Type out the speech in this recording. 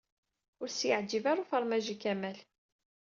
Ur s-yeɛǧib ara ufermaj i Kamal.